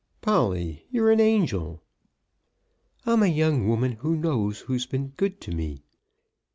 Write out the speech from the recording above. "Polly, you're an angel!" "I'm a young woman who knows who's been good to me.